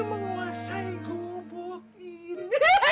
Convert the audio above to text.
menguasai gubuk ini